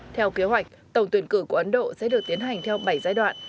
theo kế hoạch tổng tuyển cử của ấn độ sẽ được tiến hành theo bảy giai đoạn